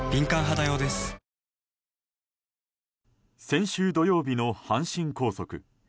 先週土曜日の阪神高速。